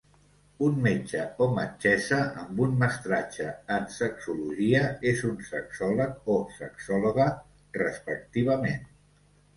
Un metge o metgessa amb un mestratge en sexologia és un sexòleg o sexòloga respectivament.